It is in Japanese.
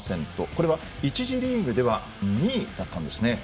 これは１次リーグでは２位だったんですね。